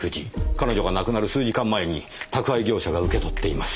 彼女が亡くなる数時間前に宅配業者が受け取っています。